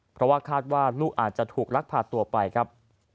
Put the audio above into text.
เพราะว่าคาดว่าลูกอาจจะถูกลักพาตัวไปครับ